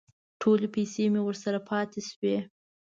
ټولې پیسې مې ورسره پاتې شوې.